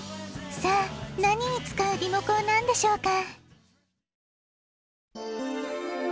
さあなににつかうリモコンなんでしょうか。